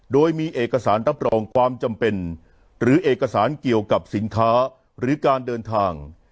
โดยมีเอกสารรับรองความจำเป็นหรือเอกสารเกี่ยวกับสินค้าหรือการเดินทาง